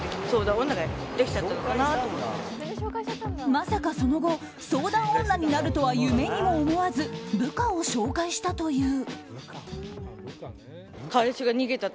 まさか、その後相談女になるとは夢にも思わず部下を紹介したという。